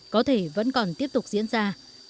có thể vẫn còn tiếp tục diễn ra